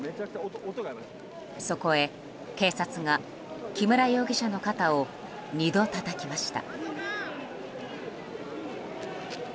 そこへ警察が木村容疑者の肩を２度たたきました。